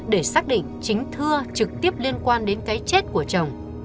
để xác định chính thưa trực tiếp liên quan đến cái chết của chồng